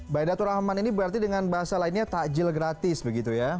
baidatur rahman ini berarti dengan bahasa lainnya takjil gratis begitu ya